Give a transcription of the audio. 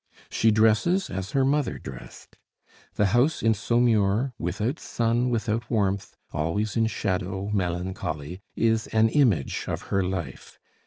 She dresses as her mother dressed. The house in Saumur, without sun, without warmth, always in shadow, melancholy, is an image of her life.